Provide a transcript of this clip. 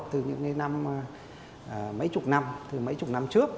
từ những năm mấy chục năm từ mấy chục năm trước